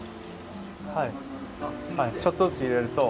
はいちょっとずつ入れると。